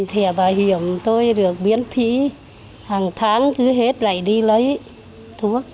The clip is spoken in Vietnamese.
thẻ bảo hiểm tôi được miễn phí hàng tháng cứ hết lại đi lấy thuốc